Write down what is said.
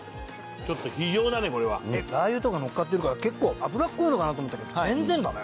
ちょっと非常だねこれは。ラー油とかのっかってるから結構油っこいのかなと思ったけど全然だね。